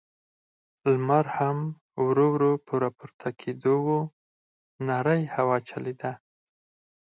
لمر هم ورو، ورو په راپورته کېدو و، نرۍ هوا چلېده.